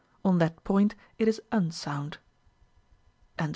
On that point, it is unsound."